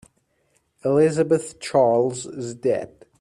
Elizabeth Charles is dead.